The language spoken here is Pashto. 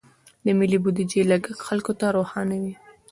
د ملي بودیجې لګښت خلکو ته روښانه وي.